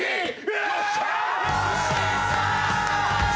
よっしゃー！！